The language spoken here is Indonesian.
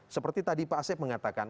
seperti tadi pak asep mengatakan